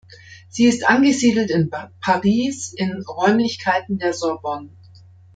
Sie ist angesiedelt in Paris in Räumlichkeiten der Sorbonne.